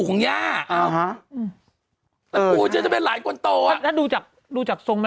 ของย่าอ่าฮะแต่ปู่ฉันจะเป็นหลานคนโตอ่ะน่ะดูจากดูจากทรงแล้ว